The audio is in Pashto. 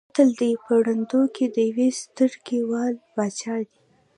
متل دی: په ړندو کې د یوې سترګې واله باچا دی.